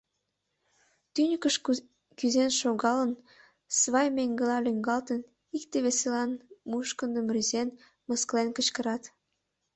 Тӱньыкыш кӱзен шогалын, свай меҥгыла лӱҥгалтын, икте-весылан мушкындым рӱзен, мыскылен кычкырат.